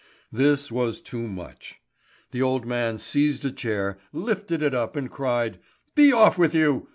This was too much. The old man seized a chair, lifted it up and cried: "Be off with you!